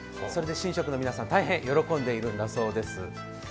それで神職の皆さん、大変喜んでいるんだそうです。